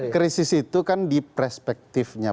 krisis itu di perspektifnya